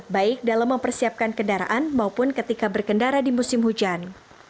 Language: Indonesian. baik dalam mempersiapkan kendaraan maupun ketika berkendara di musim hujan